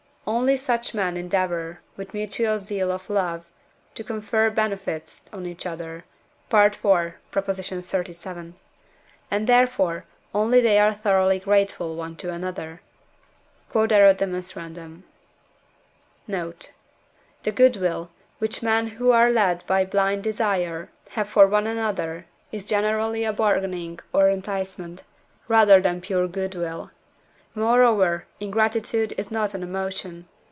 only such men endeavour, with mutual zeal of love, to confer benefits on each other (IV. xxxvii.), and, therefore, only they are thoroughly grateful one to another. Q.E.D. Note. The goodwill, which men who are led by blind desire have for one another, is generally a bargaining or enticement, rather than pure goodwill. Moreover, ingratitude is not an emotion.